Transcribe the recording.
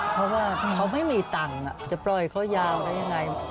เพราะว่าเขาไม่มีตังค์จะปล่อยเขายาวได้ยังไง